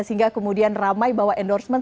sehingga kemudian ramai bahwa endorsement